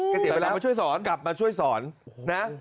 เกษตรไปแล้วมาช่วยสอนกลับมาช่วยสอนนะ